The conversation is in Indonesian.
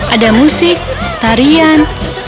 ada musik tarian